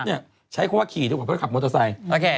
ใช้คำว่าขี่ดีกว่าเพื่อขับมอเตอร์ไซค์